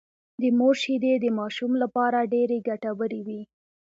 د مور شېدې د ماشوم لپاره ډېرې ګټورې وي